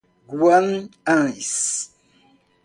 Guanhães